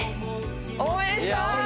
応援したい！